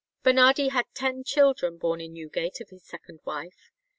Bernardi had ten children born in Newgate of this second wife.